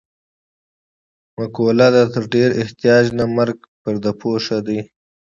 مقوله ده: تر ډېر احتیاج نه مرګ پرده پوښ دی.